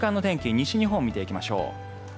西日本を見ていきましょう。